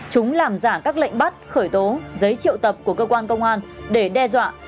chúng làm giả các lệnh bắt khởi tố giấy triệu tập của cơ quan công an để đe dọa